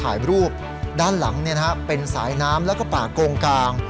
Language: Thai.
ถ่ายรูปด้านหลังเป็นสายน้ำแล้วก็ป่าโกงกลาง